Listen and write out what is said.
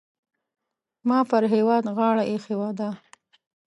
ما پر هېواد غاړه اېښې ده.